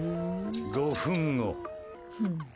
５分後。